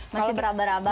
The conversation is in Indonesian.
masih beraba raba lah ya